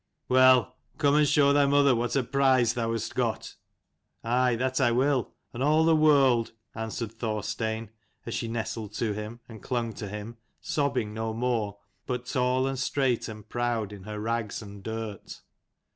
" Well, come and show thy mother what a prize thou hast got." "Aye, that I will, and all the world," answered Thorstein, as she nestled to him, and clung to him, sobbing no more, but tall and straight and proud, in her rags and dirt.